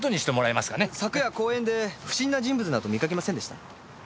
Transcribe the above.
昨夜公園で不審な人物など見かけませんでした？